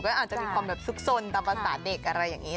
ก็อาจจะมีความแบบซุกซนตามภาษาเด็กอะไรอย่างนี้